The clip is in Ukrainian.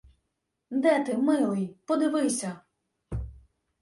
Де ти, милий? Подивися —